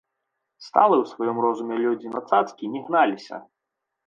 Сталыя ў сваім розуме людзі на цацкі не гналіся.